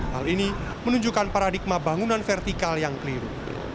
hal ini menunjukkan paradigma bangunan vertikal yang keliru